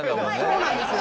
そうなんですよ。